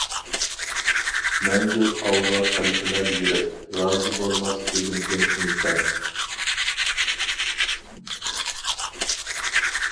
مەڭگۈ ئالغا تەلپۈنەر يۈرەك، رازى بولماس بۈگۈندىن ئىنسان.